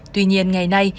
tuy nhiên ngày nay